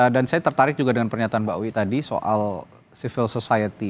dan saya tertarik juga dengan pernyataan mbak wi tadi soal civil society